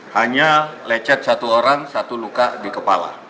hanya lecet satu orang satu luka di kepala